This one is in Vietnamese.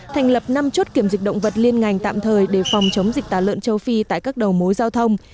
thành lập năm chốt kiểm dịch động vật liên ngành tạm thời để phòng chống dịch tả lợn châu phi tại các đầu mối giao thông